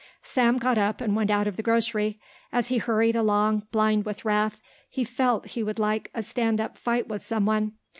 Sam got up and went out of the grocery. As he hurried along, blind with wrath, he felt he would like a stand up fight with some one.